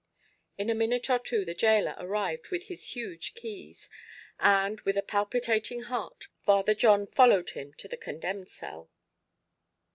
In a minute or two the gaoler arrived with his huge keys, and, with a palpitating heart, Father John followed him to the condemned cell.